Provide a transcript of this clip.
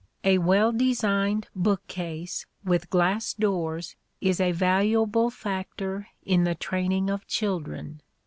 A well designed bookcase with glass doors is a valuable factor in the training of children.